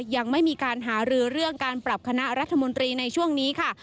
ยังไม่มีการหารือเรื่องการปรับคณะรัฐมนตรีในช่วงนี้ค่ะ